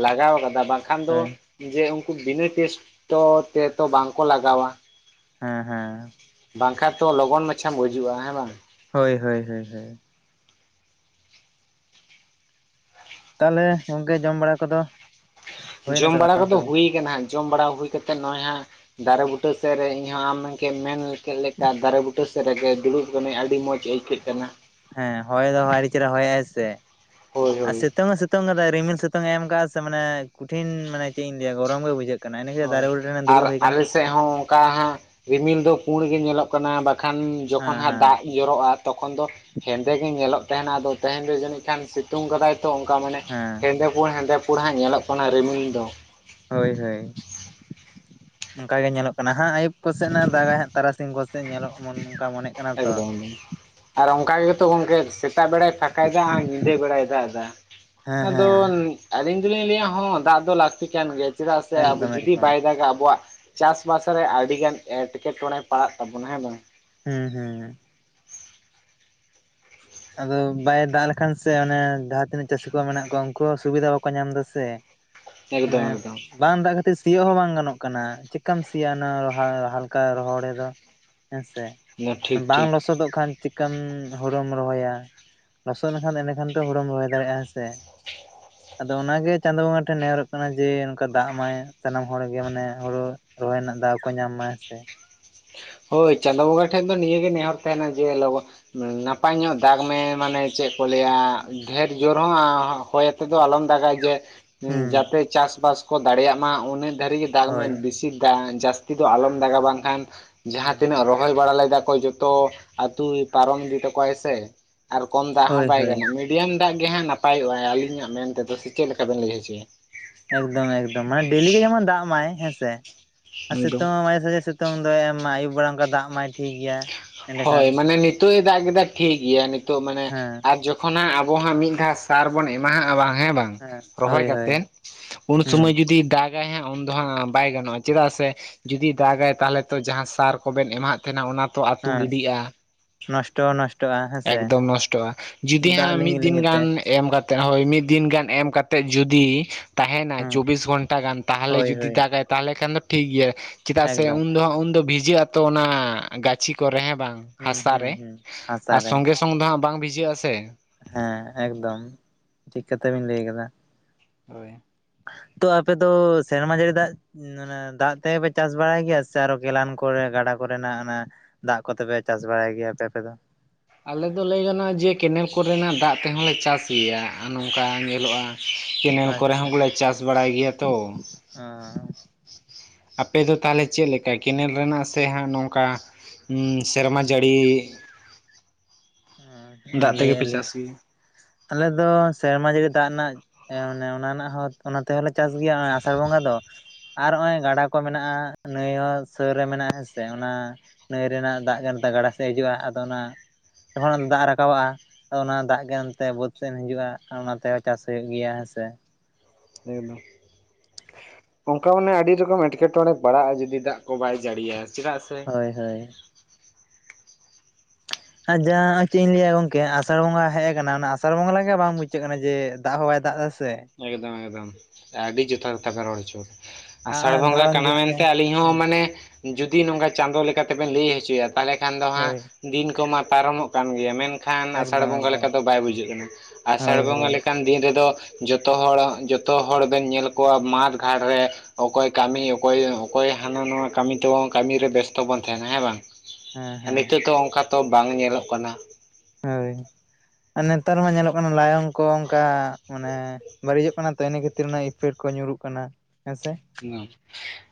S1: ᱞᱟᱜᱟᱣ ᱟᱠᱟᱫᱟ ᱵᱟᱝ ᱠᱷᱟᱱ ᱫᱚ
S2: ᱦᱳᱭ
S1: ᱡᱮ ᱩᱱᱠᱩ ᱵᱤᱱᱟᱹ ᱴᱮᱥᱴ ᱛᱚ ᱛᱮᱛᱚ ᱵᱟᱝ ᱠᱚ ᱞᱟᱜᱟᱣᱟ᱾
S2: ᱦᱮᱸ ᱦᱮᱸ᱾
S1: ᱵᱟᱝ ᱠᱷᱟ ᱛᱚ ᱞᱚᱜᱚᱱ ᱢᱟᱪᱷᱟᱢ ᱜᱩᱡᱩᱜ-ᱟ ᱦᱮᱸ ᱵᱟᱝ?
S2: ᱦᱳᱭ ᱦᱳᱭ ᱦᱳᱭ ᱦᱳᱭ᱾ ᱛᱟᱞᱮ ᱜᱚᱝᱠᱮ ᱡᱚᱢ ᱵᱟᱲᱟ ᱠᱚᱫᱚ ᱦᱩᱭᱱᱟ
S1: ᱡᱚᱢ
S2: ᱥᱮ
S1: ᱵᱟᱲᱟ
S2: ᱵᱟᱝ
S1: ᱠᱚᱫᱚ
S2: ᱛᱚᱵᱮ
S1: ᱦᱩᱭ ᱟᱠᱟᱱᱟ ᱡᱚᱢ ᱵᱟᱲᱟ ᱦᱩᱭ ᱠᱟᱛᱮᱜ ᱱᱚᱜ-ᱚᱭ ᱦᱟᱸᱜ ᱫᱟᱨᱮ ᱵᱩᱴᱟᱹ ᱥᱮᱜ ᱨᱮ ᱤᱧ ᱦᱚᱸ ᱟᱢ ᱢᱮᱱ ᱠᱮᱜ ᱢᱮᱱ ᱞᱮᱠᱟ ᱫᱟᱨᱮ ᱵᱩᱴᱟᱹ ᱥᱮᱫ ᱨᱮᱜᱮ ᱫᱩᱲᱩᱵ ᱠᱟᱹᱱᱟᱹᱧ ᱟᱹᱰᱤ ᱢᱚᱸᱡᱽ ᱟᱹᱭᱠᱟᱹᱜ ᱠᱟᱱᱟ᱾
S2: ᱦᱮᱸ ᱦᱚᱭ ᱫᱚ ᱦᱚᱭ ᱟᱹᱰᱤ ᱪᱮᱨᱦᱟ ᱦᱚᱭᱮᱜᱼᱟᱭ ᱥᱮ
S1: ᱦᱳᱭ
S2: ᱟᱨ
S1: ᱦᱳᱭ
S2: ᱥᱤᱛᱩᱝ ᱦᱚᱸ ᱥᱮ ᱥᱤᱛᱩᱝ ᱟᱠᱟᱫᱟ ᱨᱤᱢᱤᱞ ᱥᱤᱩᱛᱩᱝ ᱮ ᱮᱢ ᱟᱠᱟᱜᱼᱟ ᱥᱮ ᱢᱟᱱᱮ ᱠᱩᱴᱷᱤᱱ ᱢᱟᱱᱮ ᱪᱮᱜ ᱤᱧ ᱞᱟᱹᱭᱟ ᱜᱚᱨᱚᱢ ᱜᱮ ᱵᱩᱡᱷᱟᱹᱜ ᱠᱟᱱᱟ ᱤᱱᱟᱹ ᱠᱷᱟᱹᱛᱤᱨ
S1: ᱦᱳᱭ
S2: ᱫᱟᱨᱮ ᱵᱩᱴᱟᱹ ᱨᱮᱱ
S1: ᱟᱨ
S2: ᱫᱩᱲᱩᱵ ᱦᱩᱭ ᱟᱠᱟᱱᱟ
S1: ᱟᱞᱮ ᱥᱮᱜ ᱦᱚᱸ ᱠᱟ ᱦᱟᱸᱜ ᱨᱤᱢᱤᱞ ᱫᱚ ᱯᱩᱬ ᱜᱮ ᱧᱮᱞᱚᱜ ᱠᱟᱱᱟ ᱵᱟᱠᱷᱟᱱ ᱡᱚᱠᱷᱚᱱ
S2: ᱦᱮᱸ
S1: ᱦᱟᱸᱜ ᱫᱟᱜ
S2: ᱦᱮᱸ
S1: ᱡᱚᱨᱚᱜ-ᱟ ᱛᱚᱠᱷᱚᱱ ᱫᱚ ᱦᱮᱸᱫᱮ ᱜᱮ ᱧᱮᱞᱚᱜ ᱛᱮᱦᱮᱱᱟ ᱟᱫᱚ ᱛᱮᱦᱮᱱ ᱫᱚ ᱡᱟᱹᱱᱤᱡ ᱠᱷᱟᱱ ᱥᱤᱛᱩᱝ ᱠᱟᱫᱟᱭ ᱛᱚ ᱚᱝᱠᱟ ᱢᱟᱱᱮ
S2: ᱦᱮᱸ
S1: ᱦᱮᱸᱫᱮ ᱯᱩᱲ ᱦᱮᱸᱫᱮ ᱯᱩᱲ ᱦᱟᱸᱜ ᱧᱮᱞᱚᱜ ᱠᱟᱱᱟ ᱨᱤᱢᱤᱞ ᱫᱚ᱾
S2: ᱦᱳᱭ ᱦᱳᱭ᱾ ᱚᱝᱠᱟ ᱜᱮ ᱧᱮᱞᱚᱜ ᱠᱟᱱᱟ ᱦᱟᱸᱜ ᱟᱭᱩᱵ ᱠᱚᱥᱮᱜ ᱱᱟᱜ ᱮ ᱫᱟᱜᱟᱭ ᱦᱟᱸᱜ ᱛᱟᱨᱟᱥᱤᱧ ᱠᱚ ᱥᱮᱡ ᱧᱮᱞᱚᱜ ᱱᱚᱝᱠᱟ ᱢᱚᱱᱮᱜ ᱠᱟᱱᱟ ᱛᱚ᱾
S1: ᱮᱠᱫᱚᱢ ᱟᱨ ᱚᱱᱠᱟ ᱜᱮᱛᱚ ᱜᱚᱝᱠᱮ ᱥᱮᱛᱟᱜ ᱵᱮᱲᱟᱭ ᱯᱷᱟᱸᱠᱟᱭ ᱫᱟ ᱟᱨ ᱧᱤᱫᱟᱹ ᱵᱮᱲᱟᱭ ᱫᱟᱜ ᱫᱟ
S2: ᱦᱮᱸ
S1: ᱟᱫᱚ
S2: ᱦᱮᱸ
S1: ᱟᱹᱞᱤᱧ ᱫᱚᱞᱤᱧ ᱞᱟᱹᱭᱟ ᱦᱚᱸ ᱫᱟᱜ ᱫᱚ ᱞᱟᱹᱠᱛᱤ ᱠᱟᱱ ᱜᱮᱭᱟ ᱪᱮᱫᱟᱜ ᱥᱮ ᱟᱵᱚ
S2: ᱮᱠᱫᱚᱢ
S1: ᱡᱩᱫᱤ
S2: ᱮᱠᱫᱚᱢ
S1: ᱵᱟᱭ ᱫᱟᱜᱟ ᱟᱵᱚᱣᱟᱜ ᱪᱟᱥ ᱵᱟᱥ ᱨᱮ ᱟᱹᱰᱤ ᱜᱟᱱ ᱮᱴᱠᱮ ᱴᱚᱬᱮ ᱯᱟᱲᱟᱜ ᱛᱟᱵᱚᱱᱟ ᱦᱮᱸ ᱵᱟᱝ?
S2: ᱦᱩᱸ ᱦᱩᱸ ᱟᱫᱚ ᱵᱟᱭ ᱫᱟᱜ ᱞᱮᱠᱷᱟᱱ ᱥᱮ ᱚᱱᱮ ᱡᱟᱦᱟᱸ ᱛᱤᱱᱟᱹᱜ ᱪᱟᱹᱥᱤ ᱠᱚ ᱢᱮᱱᱟᱜ ᱠᱚᱣᱟ ᱩᱱᱠᱩ ᱥᱩᱵᱤᱫᱷᱟ ᱵᱟᱠᱚ ᱧᱟᱢ ᱫᱟ ᱥᱮ᱾ ᱢᱟᱱᱮ
S1: ᱮᱠᱫᱚᱢ ᱮᱠᱫᱚᱢ
S2: ᱵᱟᱝ ᱫᱟᱜ ᱠᱷᱟᱹ ᱛᱮ ᱥᱤᱭᱳᱜ ᱦᱚᱸ ᱵᱟᱝ ᱜᱟᱱᱚᱜ ᱠᱟᱱᱟ ᱪᱮᱜᱠᱟᱢ ᱥᱤᱭᱟ ᱚᱱᱟ ᱞᱚᱦᱟ ᱦᱟᱞᱠᱟ ᱨᱚᱦᱚᱲ ᱮᱫᱟ᱾ ᱦᱮᱸᱥᱮ
S1: ᱴᱷᱤᱠ
S2: ᱵᱟᱝ
S1: ᱴᱷᱤᱠ
S2: ᱞᱚᱥᱚᱫᱚᱜ ᱠᱷᱟᱱ ᱪᱤᱜᱠᱟᱢᱻ ᱦᱳᱲᱳᱢ ᱨᱚᱦᱚᱭᱟ ᱞᱚᱥᱚᱫ ᱞᱮᱱᱠᱷᱟᱱ ᱮᱱᱮᱠᱷᱟᱱ ᱛᱚ ᱦᱳᱲᱚᱢ ᱨᱚᱦᱚᱭ ᱫᱟᱨᱮᱜ-ᱟ ᱦᱮᱸ ᱥᱮ᱾
S1: [unintelligible]
S2: ᱟᱫᱚ ᱚᱱᱟᱜᱮ ᱪᱟᱸᱫᱳ ᱵᱚᱸᱜᱟ ᱴᱷᱮᱱ ᱱᱮᱦᱚᱨᱚᱜ ᱠᱟᱱᱟ ᱡᱮ ᱱᱚᱝᱠᱟ ᱫᱟᱜ ᱢᱟᱭ ᱥᱟᱱᱟᱢ ᱦᱚᱲ ᱜᱮ ᱢᱟᱱᱮ ᱦᱳᱲᱳ ᱨᱚᱦᱚᱭ ᱨᱮᱱᱟᱜ ᱫᱟᱣ ᱠᱚ ᱧᱟᱢ ᱢᱟ ᱦᱮᱸᱥᱮ᱾
S1: ᱦᱳᱭ ᱪᱟᱸᱫᱳ ᱵᱚᱸᱜᱟ ᱴᱷᱮᱜ ᱫᱚ ᱱᱤᱭᱟᱹ ᱜᱮ ᱱᱮᱦᱚᱨ ᱛᱮᱦᱮᱱᱟ ᱡᱮ ᱞᱚᱜᱚ ᱱᱟᱯᱟᱭ ᱧᱚᱜ ᱫᱟᱜᱽ ᱢᱮ ᱢᱟᱱᱮ ᱪᱮᱫ ᱠᱚ ᱞᱟᱹᱭᱟ ᱰᱷᱮᱨ ᱡᱳᱨ ᱦᱚᱸ ᱟᱸ ᱦᱚᱭ ᱛᱮᱫᱚ ᱟᱞᱚᱢ ᱫᱟᱜᱟ ᱡᱮ
S2: ᱦᱩᱸ
S1: ᱡᱟᱛᱮ ᱪᱟᱥ ᱵᱟᱥ ᱠᱚ ᱫᱟᱲᱮᱭᱟᱜ ᱢᱟ ᱩᱱᱟᱹᱜ ᱫᱷᱟᱹᱨᱤᱡ ᱜᱮ ᱫᱟᱜ ᱢᱮ
S2: ᱦᱳᱭ
S1: ᱵᱮᱥᱤ ᱫᱟᱜ ᱡᱟᱹᱥ ᱛᱤ ᱫᱚ ᱟᱞᱚᱢ ᱫᱟᱜᱟ ᱵᱟᱝᱠᱷᱟᱱ ᱡᱟᱦᱟᱸ
S2: ᱦᱩᱸ
S1: ᱛᱤᱱᱟᱹᱜ ᱨᱚ ᱨᱚᱦᱚᱭ ᱵᱟᱲᱟ ᱞᱮᱫᱟ ᱠᱚ ᱡᱚᱛᱚ ᱟᱛᱩᱭ ᱯᱟᱨᱚᱢ ᱤᱫᱤ ᱛᱟᱠᱚᱣᱟᱭ ᱥᱮ᱾ ᱟᱨ ᱠᱚᱢ ᱫᱟᱜ ᱦᱚᱸ
S2: ᱦᱳᱭ
S1: ᱵᱟᱭ
S2: ᱦᱳᱭ
S1: ᱜᱟᱱᱚᱜ, ᱢᱤᱰᱤᱭᱟᱢ ᱫᱟᱜ ᱜᱮ ᱦᱟᱸᱜ ᱱᱟᱯᱟᱭᱚᱜ-ᱟ ᱟᱹᱞᱤᱧᱟᱜ ᱢᱮᱱ ᱛᱮᱫᱚ, ᱥᱮ ᱪᱮᱫ ᱞᱮᱠᱟ ᱵᱮᱱ ᱞᱟᱹᱭ ᱦᱚᱪᱚᱭᱟ?
S2: ᱮᱠᱫᱚᱢ ᱮᱠᱫᱚᱢ ᱢᱟᱱᱮ ᱰᱮᱞᱤ ᱜᱮ ᱡᱮᱢᱚᱱ ᱫᱟᱜ ᱢᱟᱭ ᱦᱮᱸᱥᱮ ᱟ
S1: ᱮᱠᱫᱚᱢ
S2: ᱥᱤᱛᱩᱝ ᱢᱟᱡᱮ ᱥᱟᱡᱮ ᱥᱮᱛᱳᱝ ᱫᱚᱭ ᱮᱢᱢᱟ ᱟᱭᱩᱵ ᱵᱮᱲᱟ ᱚᱝᱠᱟ ᱫᱟᱜ ᱢᱟᱭ ᱴᱷᱤᱠ ᱜᱮᱭᱟ
S1: ᱦᱚᱭ
S2: ᱮᱸᱰᱮᱠᱷᱟᱱ
S1: ᱢᱟᱱᱮ ᱱᱤᱛᱳᱜ ᱮ ᱫᱟᱜ ᱠᱮᱫᱟ ᱴᱷᱤᱠ ᱜᱮᱭᱟ ᱱᱤᱛᱳᱜ ᱢᱟᱱᱮ
S2: ᱦᱮᱸ
S1: ᱟᱨ ᱡᱚ ᱠᱷᱚᱱᱟᱜ ᱟᱵᱚ ᱦᱟᱸᱜ ᱢᱤᱫ ᱫᱷᱟᱣ ᱥᱟᱨ ᱵᱚᱱ ᱮᱢᱟᱦᱟᱜ-ᱟ ᱵᱟᱝ ᱦᱮᱸ ᱵᱟᱝ ᱨᱚᱦᱚᱭ
S2: ᱦᱳᱭ ᱦᱳᱭ
S1: ᱠᱟᱛᱮᱫ ᱩᱱ
S2: ᱦᱩᱸ
S1: ᱥᱩᱢᱟᱹᱭ ᱡᱩᱫᱤ ᱫᱟᱜ ᱜᱟᱭ ᱦᱟᱸᱜ ᱩᱱᱫᱚ ᱦᱟᱸᱜ ᱵᱟᱭ ᱜᱟᱱᱚᱜ-ᱟ ᱪᱮᱫᱟᱜ ᱥᱮ ᱡᱩᱫᱤ ᱫᱟᱜ-ᱟᱭ ᱛᱟᱦᱞᱮ ᱛᱚ ᱡᱟᱦᱟᱸ ᱥᱟᱨ ᱠᱚᱵᱮᱱ ᱮᱢᱟᱦᱟᱜ ᱛᱟᱦᱮᱱᱟ ᱚᱱᱟ ᱛᱚ ᱟᱹᱛᱩ
S2: ᱦᱮᱸ
S1: ᱜᱤᱰᱤᱜ-ᱟ᱾
S2: ᱱᱚᱥᱴᱚ ᱦᱚᱸ ᱱᱚᱥᱴᱚᱜᱼᱟ ᱦᱮᱸᱥᱮ
S1: ᱮᱠᱫᱚᱢ ᱱᱚᱥᱴᱚᱜ-ᱟ ᱡᱩᱫᱤ
S2: ᱫᱟᱜ
S1: ᱦᱟᱸ
S2: ᱞᱤᱸᱜᱤ
S1: ᱢᱤᱫ ᱫᱤᱱ
S2: ᱞᱤᱸᱜᱤᱛᱮ
S1: ᱜᱟᱱ ᱮᱢ ᱠᱟᱛᱮᱫ ᱦᱳᱭ ᱢᱤᱫ ᱫᱤᱱ ᱜᱟᱱ ᱮᱢ ᱠᱟᱛᱮᱫ ᱡᱩᱫᱤ ᱛᱟᱦᱮᱱᱟ
S2: ᱦᱩᱸ
S1: ᱪᱚᱵᱤᱥ ᱜᱷᱚᱱᱴᱟ ᱜᱟᱱ ᱛᱟᱦᱞᱮ
S2: ᱦᱳᱭ
S1: ᱡᱩᱫᱤ
S2: ᱦᱳᱭ
S1: ᱫᱟᱜ-ᱟᱭ ᱛᱟᱦᱚᱞᱮ ᱠᱷᱟᱱ ᱫᱚ ᱴᱷᱤᱠ ᱜᱮᱭᱟ᱾ ᱪᱮᱫᱟᱜ ᱥᱮ
S2: ᱮᱠᱫᱚᱢ
S1: ᱩᱱ ᱫᱚ ᱦᱟᱸᱜ ᱩᱱᱫᱚ ᱵᱷᱤᱡᱟᱹᱜ ᱟᱛᱚ ᱚᱱᱟ ᱜᱟᱹᱪᱷᱤ ᱠᱚᱨᱮ ᱦᱮᱸ ᱵᱟᱝ?
S2: ᱦᱩᱸ
S1: ᱦᱟᱥᱟ
S2: ᱦᱩᱸ
S1: ᱨᱮ
S2: ᱦᱩᱸ ᱦᱟᱥᱟ
S1: ᱟᱨ
S2: ᱨᱮ
S1: ᱥᱚᱝᱜᱮ ᱥᱚᱝ ᱫᱚ ᱦᱟᱸᱜ ᱵᱟᱝ ᱵᱷᱤᱡᱟᱹᱜ-ᱟ ᱥᱮ᱾
S2: ᱦᱮᱸ ᱮᱠᱫᱚᱢ, ᱴᱷᱤᱠ ᱠᱟᱛᱷᱟ ᱵᱤᱱ ᱞᱟᱹᱭ ᱠᱟᱫᱟ᱾
S1: ᱦᱳᱭ᱾
S2: ᱛᱚ ᱟᱯᱮ ᱫᱚ ᱥᱮᱨᱢᱟ ᱡᱟᱹᱲᱤ ᱫᱟᱜ ᱫᱟᱜ ᱛᱮᱜᱮ ᱯᱮ ᱪᱟᱥ ᱵᱟᱲᱟᱭ ᱜᱮᱭᱟ ᱥᱮ ᱟᱨᱚ ᱠᱮᱞᱟᱱ ᱠᱚᱨᱮ ᱜᱟᱰᱟ ᱠᱚᱨᱮᱱᱟᱜ ᱚᱱᱟ ᱫᱟᱜ ᱠᱚᱛᱮᱯᱮ ᱪᱟᱥ ᱵᱟᱲᱟᱭ ᱜᱮᱭᱟ ᱟᱯᱮ ᱟᱯᱮ ᱫᱚ?
S1: ᱟᱞᱮ ᱫᱚ ᱞᱟᱹᱭ ᱜᱟᱱᱚᱜ-ᱟ ᱡᱮ ᱠᱮᱱᱮᱞ ᱠᱚᱨᱮᱱᱟᱜ ᱫᱟᱜ ᱞᱮ ᱪᱟᱥ ᱜᱮᱭᱟ ᱱᱚᱝᱠᱟ ᱧᱮᱞᱚᱜ-ᱟ ᱠᱮᱱᱮᱞ ᱠᱚᱨᱮ
S2: ᱟᱪᱪᱷᱟ
S1: ᱦᱚᱸ ᱵᱚᱞᱮ ᱪᱟᱥ ᱵᱟᱲᱟᱭ ᱜᱮᱭᱟ ᱛᱚ᱾
S2: [unintelligible]
S1: ᱟᱯᱮ ᱫᱚ ᱛᱟᱦᱞᱮ ᱪᱮᱫ ᱞᱮᱠᱟ ᱠᱮᱱᱮᱞ ᱨᱮᱱᱟᱜ ᱥᱮ ᱦᱟᱸᱜ ᱱᱚᱝᱠᱟ ᱥᱮᱨᱢᱟ ᱡᱟᱹᱲᱤ ᱫᱟᱜ
S2: ᱞᱟᱹᱭ
S1: ᱛᱮᱜᱮ
S2: ᱭᱮᱜ-ᱟ
S1: ᱯᱮ
S2: ᱞᱤᱧ
S1: ᱪᱟᱥ ᱜᱮᱭᱟ
S2: ᱟᱞᱮ ᱫᱚ ᱥᱮᱨᱢᱟ ᱡᱟᱹᱲᱤ ᱫᱟᱜ ᱨᱮᱱᱟᱜ, ᱚᱱᱮ ᱚᱱᱟ ᱨᱮᱱᱟᱜ ᱦᱚᱸ ᱚᱱᱟ ᱛᱮᱦᱚᱸᱞᱮ ᱪᱟᱥ ᱜᱮᱭᱟ ᱟᱸ ᱟᱥᱟᱲ ᱵᱚᱸᱜᱟ ᱫᱚ᱾ ᱟᱨ ᱦᱚᱸᱜ-ᱚᱭ ᱜᱟᱰᱟ ᱠᱚ ᱢᱮᱱᱟᱜ-ᱟ ᱱᱟᱹᱭ ᱦᱚᱸ ᱥᱳᱨ ᱨᱮ ᱢᱮᱱᱟᱜ-ᱟ ᱦᱮᱸ ᱥᱮ ᱚᱱᱟ ᱱᱟᱹᱭ ᱨᱮᱱᱟᱜ ᱫᱟᱜ ᱜᱟᱱᱛᱟ ᱜᱟᱰᱟ ᱥᱮᱫ ᱦᱤᱡᱩᱜ-ᱟ ᱟᱫᱚ ᱚᱱᱟ [unintelligible] ᱫᱟᱜ ᱨᱟᱠᱟᱵᱟᱜ-ᱟ ᱟᱫᱚ ᱚᱱᱟ ᱫᱟᱜ ᱜᱮ ᱮᱱᱛᱮ ᱵᱟᱹᱫᱽ ᱥᱮᱱ ᱦᱤᱡᱩᱜ-ᱟ ᱚᱱᱟ ᱛᱮᱦᱚᱸ ᱪᱟᱥ ᱦᱳᱭᱳᱜ ᱜᱮᱭᱟ ᱦᱮᱸᱥᱮ᱾
S1: [unintelligible] ᱚᱝᱠᱟ ᱢᱟᱱᱮ ᱟᱹᱰᱤ ᱨᱚᱠᱚᱢ ᱮᱴᱠᱮᱴᱚᱬᱮ ᱯᱟᱲᱟᱜ-ᱟ ᱡᱩᱫᱤ ᱫᱟᱜ ᱠᱚ ᱵᱟᱭ ᱡᱟᱹᱲᱤᱭᱟ ᱪᱮᱫᱟᱜ ᱥᱮ
S2: ᱦᱳᱭ ᱦᱳᱭ᱾ ᱟᱨ ᱡᱟᱦᱟᱸ ᱪᱮᱫ ᱤᱧ ᱞᱟᱹᱭᱟ ᱜᱚᱝᱠᱮ ᱟᱥᱟᱲ ᱵᱚᱸᱜᱟ ᱦᱮᱜ ᱠᱟᱱᱟ ᱚᱱᱟ ᱟᱥᱟᱲ ᱵᱚᱸᱜᱟ ᱞᱮᱠᱟ ᱜᱮ ᱵᱟᱝ ᱵᱩᱡᱷᱟᱹᱜ ᱠᱟᱱᱟ ᱡᱮ ᱫᱟᱜ ᱦᱚ ᱵᱟᱭ ᱫᱟᱜ ᱫᱟ ᱥᱮ
S1: ᱮᱠᱫᱚᱢ ᱮᱠᱫᱚᱢ ᱟᱹᱰᱤ ᱟ ᱡᱚᱛᱷᱟᱛ ᱠᱟᱛᱷᱟ ᱯᱮ ᱨᱚᱲ ᱦᱚᱪᱚ ᱟᱥᱟᱲ
S2: ᱦᱚᱸᱜᱼᱚᱭ
S1: ᱵᱚᱸᱜᱟ
S2: ᱫᱷᱚᱨᱚᱱ
S1: ᱠᱟᱱᱟ
S2: ᱫᱤᱱ ᱜᱮ
S1: ᱢᱮᱱᱛᱮ ᱟᱞᱤᱧ ᱦᱚᱸ
S2: ᱦᱮᱸ
S1: ᱢᱟᱱᱮ ᱡᱩᱫᱤ ᱱᱚᱝᱠᱟ ᱪᱟᱸᱫᱚ ᱞᱮᱠᱟ ᱛᱮᱵᱮᱱ ᱞᱟᱹᱭ ᱦᱚᱪᱚᱭᱟ ᱛᱟᱦᱟᱞᱮ ᱠᱷᱟᱱ ᱫᱚ ᱦᱟᱸᱜ
S2: ᱦᱳᱭ
S1: ᱫᱤᱱ ᱠᱚᱢᱟ ᱯᱟᱨᱚᱢᱚᱜ ᱠᱟᱱ ᱜᱮᱭᱟ ᱢᱮᱱ ᱠᱷᱟᱱ ᱟᱥᱟᱲ
S2: ᱮᱠᱫᱚᱢ
S1: ᱵᱚᱸᱜᱟ
S2: ᱮᱠᱫᱚᱢ
S1: ᱞᱮᱠᱟ ᱫᱚ ᱵᱟᱭ ᱵᱩᱡᱷᱟᱹᱜ ᱠᱟᱱᱟ, ᱟᱥᱟᱲ
S2: ᱦᱳᱭ
S1: ᱵᱚᱸᱜᱟ
S2: ᱦᱳᱭ
S1: ᱞᱮᱠᱟᱱ ᱫᱤᱱ ᱨᱮᱫᱚ ᱡᱚᱛᱚ ᱦᱚᱲ ᱡᱚᱛᱚ ᱦᱚᱲ ᱵᱮᱱ ᱧᱮᱞ ᱠᱚᱣᱟ ᱢᱟᱴᱷ ᱜᱷᱟᱴ ᱨᱮ ᱚᱠᱚᱭ ᱠᱟᱹᱢᱤ ᱚᱠᱚᱭ ᱚᱠᱚᱭ ᱦᱟᱱᱟ ᱱᱚᱣᱟ ᱠᱟᱹᱢᱤ ᱛᱮᱵᱚᱱ ᱠᱟᱹᱢᱤ ᱨᱮ ᱵᱮᱥᱛᱚ ᱵᱚᱱ ᱛᱟᱦᱮᱱᱟ ᱦᱮᱸ ᱵᱟᱝ
S2: ᱦᱮᱸ
S1: ᱾
S2: ᱦᱮᱸ
S1: ᱱᱤᱛᱳᱜ ᱫᱚ ᱚᱝᱠᱟ ᱛᱚ ᱵᱟᱝ ᱧᱮᱞᱚᱜ ᱠᱟᱱᱟ ᱾
S2: ᱦᱳᱭ ᱟᱨ ᱱᱮᱱᱛᱟᱨ ᱢᱟ ᱧᱮᱞᱚᱜ ᱠᱟᱱᱟ ᱞᱟᱭᱚᱝ ᱠᱚ ᱚᱝᱠᱟ ᱢᱟᱱᱮ ᱵᱟᱹᱲᱤᱡᱚᱜ ᱠᱟᱱᱟ ᱛᱚ ᱤᱱᱟᱹ ᱠᱷᱟᱹᱛᱤᱨ ᱩᱱᱟᱹᱜ ᱤᱯᱮᱴ ᱠᱚ ᱧᱩᱨᱩᱜ ᱠᱟᱱᱟ, ᱦᱮᱸᱥᱮ?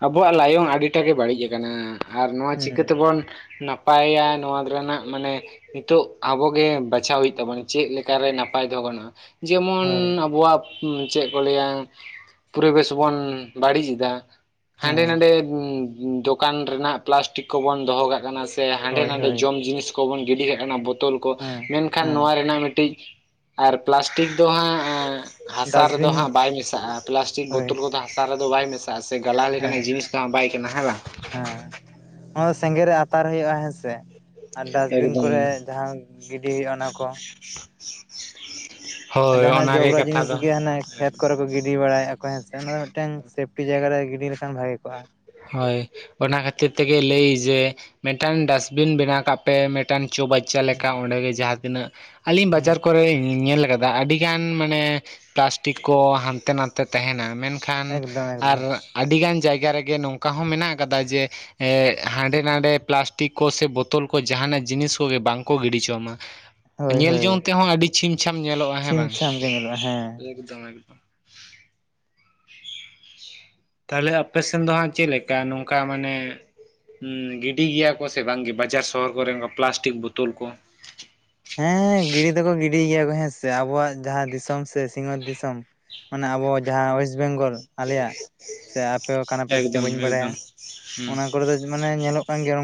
S1: ᱟᱵᱚᱣᱟᱜ ᱞᱟᱭᱚᱝ ᱟᱹᱰᱤᱴᱟ ᱜᱮ ᱵᱟᱹᱲᱤᱡ ᱟᱠᱟᱱᱟ ᱟᱨ ᱱᱚᱣᱟ ᱪᱤᱠᱟᱹ
S2: ᱦᱩᱸ
S1: ᱛᱮᱵᱚᱱ ᱱᱟ ᱯᱟᱭᱟ ᱱᱚᱣᱟ ᱨᱮᱱᱟᱜ ᱢᱟᱱᱮ ᱱᱤᱛᱳᱜ ᱟᱵᱚᱜᱮ ᱵᱟᱪᱷᱟᱣ ᱦᱩᱭᱩᱜ ᱛᱟᱵᱚᱱᱟ ᱪᱮᱜ ᱞᱮᱠᱟᱨᱮ ᱱᱟᱯᱟᱭ ᱫᱚᱦᱚ ᱜᱟᱱᱚᱜ-ᱟ᱾ ᱡᱮᱢᱚᱱ
S2: ᱦᱳᱭ
S1: ᱟᱵᱚᱣᱟᱜ ᱪᱮᱜ ᱠᱚ ᱞᱟᱹᱭᱟ ᱯᱚᱨᱤᱵᱮᱥ ᱵᱚᱱ ᱵᱟᱹᱲᱤᱡ ᱮᱫᱟ ᱦᱟᱸᱰᱮ
S2: ᱦᱮᱸ
S1: ᱱᱟᱰᱮ ᱫᱚᱠᱟᱱ ᱨᱮᱱᱟᱜ ᱯᱞᱟᱥᱴᱤᱠ ᱠᱚᱵᱚᱱ ᱫᱚᱦᱚ ᱠᱟᱜ ᱠᱟᱱᱟ ᱥᱮ ᱦᱟᱸᱰᱮ
S2: ᱦᱳᱭ
S1: ᱱᱟᱰᱮ
S2: ᱦᱳᱭ
S1: ᱡᱚᱢ ᱡᱤᱱᱤᱥ ᱠᱚᱵᱚᱱ ᱜᱤᱰᱤ ᱠᱟᱜ ᱠᱟᱱᱟ ᱵᱳᱛᱚᱞ ᱠᱚ,
S2: ᱦᱮᱸ
S1: ᱢᱮᱱ ᱠᱷᱟᱱ
S2: ᱦᱮᱸ
S1: ᱱᱚᱣᱟ ᱨᱮᱱᱟᱜ ᱢᱤᱫᱴᱤᱡ ᱟᱨ ᱯᱞᱟᱥᱴᱤᱠ ᱫᱚ ᱦᱟᱸᱜᱻ ᱦᱟᱥᱟ ᱨᱮᱫᱚ
S2: ᱰᱟᱥᱴᱵᱤᱱ
S1: ᱦᱟᱸᱜ ᱵᱟᱭ ᱢᱮᱥᱟᱜ-ᱟ ᱯᱞᱟᱥᱴᱤᱠ
S2: ᱦᱳᱭ
S1: ᱵᱳᱛᱚᱞ ᱠᱚᱫᱚ ᱦᱟᱥᱟ ᱨᱮᱫᱚ ᱵᱟᱭ ᱢᱮᱥᱟ ᱫᱟᱜ ᱥᱮ ᱜᱟᱞᱟᱣ ᱞᱮᱠᱟᱱᱟᱜ
S2: ᱦᱮᱸ
S1: ᱡᱤᱱᱤᱥ ᱛᱚ ᱦᱟᱸᱜ ᱵᱟᱭ ᱠᱟᱱᱟ ᱦᱮᱸ ᱵᱟᱝ
S2: ᱦᱚᱸ ᱥᱮᱸᱜᱮᱞ ᱨᱮ ᱟᱛᱟᱨ ᱦᱩᱭᱩᱜ-ᱟ ᱦᱮᱸ ᱥᱮ ᱟᱨ ᱰᱟᱥᱵᱤᱱ
S1: ᱮᱠᱫᱚᱢ
S2: ᱠᱚᱨᱮ ᱡᱟᱦᱟᱸᱝ ᱜᱤᱰᱤ ᱦᱩᱭᱩᱜ-ᱟ ᱚᱱᱟ ᱠᱚ᱾
S1: [inaudible]
S2: ᱟᱨ ᱡᱟᱦᱟᱱᱟᱜ
S1: ᱚᱱᱟᱜᱮ
S2: ᱡᱚᱵᱽᱨᱟ
S1: ᱠᱟᱛᱷᱟ
S2: ᱡᱤᱱᱤᱥ
S1: ᱫᱚ
S2: ᱜᱮ ᱦᱟᱱᱮ ᱠᱷᱮᱛ ᱠᱚᱨᱮ ᱠᱚ ᱜᱤᱰᱤ ᱵᱟᱲᱟᱭᱟᱠ ᱠᱚ ᱦᱮᱸᱥᱮ ᱚᱱᱟ ᱫᱚ ᱢᱤᱫᱴᱟᱝ ᱥᱮᱯᱴᱤ ᱡᱟᱭᱜᱟ ᱨᱮ ᱜᱤᱰᱤ ᱞᱮᱠᱷᱟᱱ ᱵᱷᱟᱜᱤ ᱠᱚᱜ-ᱟ᱾
S1: ᱦᱳᱭ ᱚᱱᱟ ᱠᱷᱟᱹᱛᱤᱨ ᱛᱮᱜᱮ ᱞᱟᱹᱭ ᱡᱮ ᱢᱮᱜᱴᱟᱝ ᱰᱟᱥᱵᱤᱱ ᱵᱮᱱᱟᱣ ᱠᱟᱜ ᱯᱮ ᱢᱮᱴᱟᱝ ᱪᱳᱵᱟᱪ ᱪᱟ ᱞᱮᱠᱟ
S2: ᱦᱩᱸ
S1: ᱚᱸᱰᱮ ᱜᱮ ᱡᱟᱦᱟᱸ ᱛᱤᱱᱟᱹᱜ ᱟᱹᱞᱤᱧ
S2: ᱦᱩᱸ
S1: ᱵᱟᱡᱟᱨ ᱠᱚᱨᱮ ᱞᱤᱧ ᱧᱮᱞ ᱠᱟᱫ ᱫᱟ ᱟᱹᱰᱤ ᱜᱟᱱ ᱢᱟᱱᱮ ᱯᱞᱟᱥᱴᱤᱠ ᱠᱚ ᱦᱟᱱᱛᱮ ᱱᱟᱱᱛᱮ ᱛᱟᱦᱮᱱᱟ ᱢᱮᱱ ᱠᱷᱟᱱ
S2: ᱮᱠᱫᱚᱢ
S1: ᱟᱨ
S2: ᱮᱠᱫᱚᱢ
S1: ᱟᱹᱰᱤ ᱜᱟᱱ ᱡᱟᱭᱜᱟ ᱨᱮᱜᱮ ᱱᱚᱝᱠᱟ ᱦᱚᱸ ᱢᱮᱱᱟᱜ ᱟᱠᱟᱫᱟ ᱡᱮ ᱮᱸ ᱦᱟᱸᱰᱮ ᱱᱟᱰᱮ ᱯᱞᱟᱥᱴᱤᱠ ᱠᱚ ᱥᱮ ᱵᱳᱛᱳᱞ ᱠᱚ ᱡᱟᱦᱟᱱᱟᱜ ᱡᱤᱱᱤᱥ ᱠᱚᱜᱮ ᱵᱟᱝ ᱠᱚ ᱜᱤᱰᱤᱪᱚᱟ ᱢᱟ᱾
S2: ᱦᱳᱭ
S1: ᱧᱮᱞ ᱡᱚᱝ
S2: ᱦᱳᱭ
S1: ᱛᱮᱦᱚᱸ ᱟᱹᱰᱤ ᱪᱷᱤᱢ ᱪᱷᱟᱢ ᱧᱮᱞᱚᱜ-ᱟ ᱦᱮᱸ
S2: ᱪᱷᱤᱢ
S1: ᱵᱟᱝ,
S2: ᱪᱷᱟᱢ ᱜᱮ ᱧᱮᱞᱚᱜᱼᱟ ᱦᱮᱸ
S1: ᱮᱠᱫᱚᱢ ᱮᱠᱫᱚᱢ ᱛᱟᱦᱞᱮ ᱟᱯᱮ ᱥᱮᱱ ᱫᱚ ᱦᱟᱸᱜ ᱪᱮᱫ ᱞᱮᱠᱟ ᱱᱚᱝᱠᱟ ᱢᱟᱱᱮ ᱜᱤᱰᱤ ᱜᱮᱭᱟ ᱠᱚ ᱥᱮ ᱵᱟᱝᱜᱮ ᱵᱟᱡᱟᱨ ᱥᱚᱦᱚᱨ ᱠᱚᱨᱮ ᱚᱝᱠᱟ ᱯᱞᱟᱥᱴᱤᱠ ᱵᱳᱛᱳᱞ ᱠᱚ?
S2: ᱦᱮᱸ ᱦᱮᱸ ᱜᱤᱲᱤ ᱫᱚᱠᱚ ᱜᱤᱰᱤ ᱜᱮᱭᱟ ᱠᱚ ᱦᱮᱸ ᱥᱮ ᱟᱵᱚᱣᱟᱜ ᱡᱟᱦᱟᱸ ᱫᱤᱥᱚᱢ ᱥᱮ ᱥᱤᱧᱚᱛ ᱫᱤᱥᱚᱢ, ᱢᱟᱱᱮ ᱟᱵᱚ ᱡᱟᱦᱟᱸ ᱳᱭᱮᱥᱴ ᱵᱮᱝᱜᱚᱞ, ᱟᱞᱮᱭᱟᱜ ᱥᱮ ᱟᱯᱮ ᱠᱟᱱᱟ ᱯᱮ ᱥᱮ ᱪᱮᱜ
S1: ᱮᱠᱫᱚᱢ
S2: ᱵᱟᱹᱧ ᱵᱟᱲᱟᱭᱟ
S1: ᱮᱠᱫᱚᱢ ᱦᱩᱸ
S2: ᱚᱱᱟ ᱠᱚ ᱨᱮ ᱫᱚ ᱢᱟᱱᱮ ᱧᱮᱞᱚᱜ ᱠᱟᱱ ᱜᱮᱭᱟ